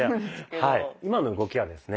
今の動きはですね